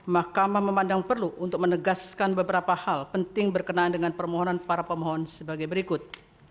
mahkamah memandang perlu untuk menegaskan beberapa hal penting berkenaan dengan permohonan para pemohon sebagai berikut